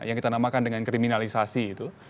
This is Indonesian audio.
yang kita namakan dengan kriminalisasi itu